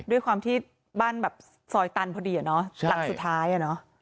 ด้วยความที่บ้านแบบซอยตันพอดีอะเนาะหลังสุดท้ายอ่ะเนอะ